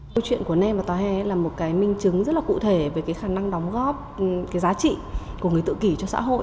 câu chuyện của nem và tòa hè là một cái minh chứng rất là cụ thể về cái khả năng đóng góp cái giá trị của người tự kỷ cho xã hội